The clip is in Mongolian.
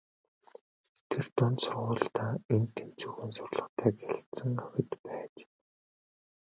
Тэд дунд сургуульдаа эн тэнцүүхэн сурлагатай гялалзсан охид байж.